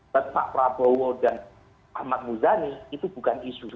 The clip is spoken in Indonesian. pak prabowo dan pak muzani itu bukan isu isu